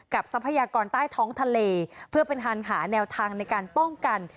ทรัพยากรใต้ท้องทะเลเพื่อเป็นฮันหาแนวทางในการป้องกัน